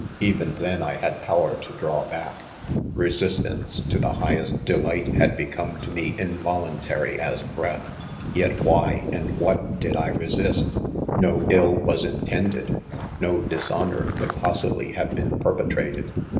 ■ Even then I had power to draw back— resistance to the highest delight, had become to me involunta ry as breath. Yet why and what did I resist 1 No ill was intended — no dishonor could pos sibly have been perpetrated.